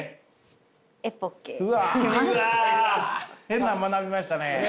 変なん学びましたね。